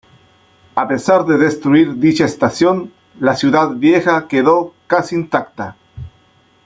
A pesar de destruir dicha estación, la ciudad vieja quedó casi intacta.